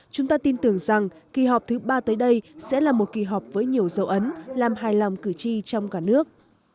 chúng ta tin tưởng rằng kỳ họp thứ ba tới đây sẽ là một kỳ họp với nhiều dấu ấn làm hài lòng cử tri trong cả nước